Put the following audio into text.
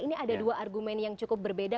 ini ada dua argumen yang cukup berbeda